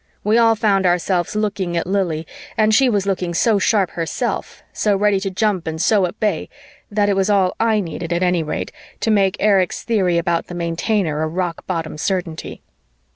We all found ourselves looking at Lili and she was looking so sharp herself, so ready to jump and so at bay, that it was all I needed, at any rate, to make Erich's theory about the Maintainer a rock bottom certainty.